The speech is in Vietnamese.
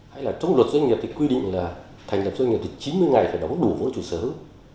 hay là trong luật doanh nghiệp thì quy định là thành lập doanh nghiệp thì chín mươi ngày phải đóng đủ vốn chủ sở hữu